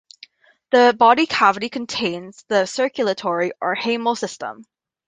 The body cavity contains the circulatory or haemal system.